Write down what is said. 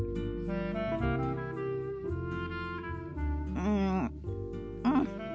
うんうん。